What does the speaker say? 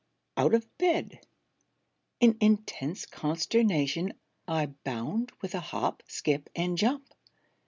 Out of bed, in intense consternation, I bound with a hop, skip, and jump.